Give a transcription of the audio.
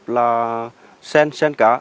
là sen sen cả